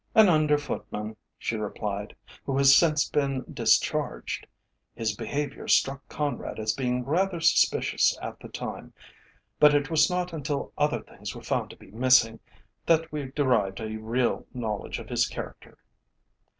"An under footman," she replied, "who has since been discharged. His behaviour struck Conrad as being rather suspicious at the time, but it was not until other things were found to be missing, that we derived a real knowledge of his character."